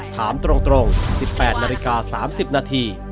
ถามตรง๑๘นาฬิกา๓๐นาที